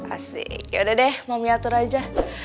asik yaudah deh mami atur aja